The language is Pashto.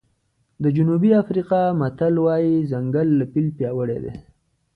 د جنوبي افریقا متل وایي ځنګل له فیل پیاوړی دی.